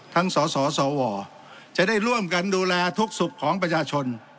ทั้งสอสอสอว่อจะได้ร่วมกันดูแลทุกสุขของประชาชน